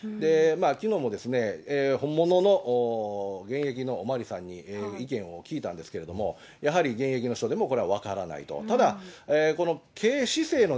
きのうも本物の現役のお巡りさんに意見を聞いたんですけれども、やはり現役の人でもこれは分からないと。